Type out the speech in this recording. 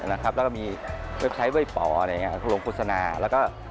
แล้วก็มีเว็บไซต์เบ้ยป่อก